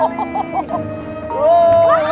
wow tinggi sekali